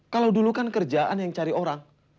kalau dulu kan kerjaan yang cari orang